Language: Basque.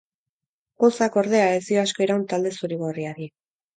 Pozak, ordea, ez dio asko iraun talde zuri-gorriari.